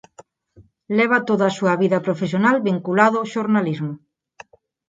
Leva toda a súa vida profesional vinculado ao xornalismo.